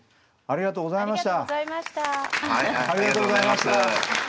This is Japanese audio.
ありがとうございます。